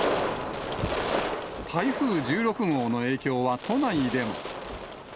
台風１６号の影響は都内でも。